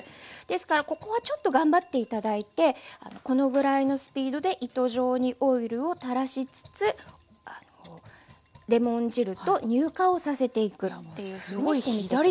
ですからここはちょっと頑張って頂いてこのぐらいのスピードで糸状にオイルを垂らしつつレモン汁と乳化をさせていくというふうにしてみて下さい。